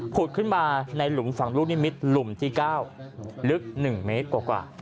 ขึ้นมาในหลุมฝั่งลูกนิมิตรหลุมที่๙ลึก๑เมตรกว่า